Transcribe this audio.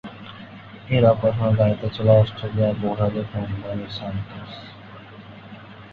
এর অপারেশনের দায়িত্বে ছিল অস্ট্রেলীয় বহুজাতিক কোম্পানি সান্তোস।